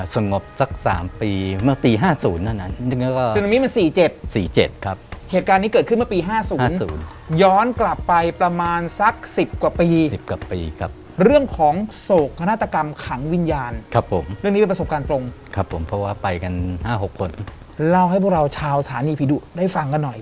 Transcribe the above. ด้วยความที่ทีมงานเราก็ต้องอยากรู้ว่าข้างในมีอะไรบ้าง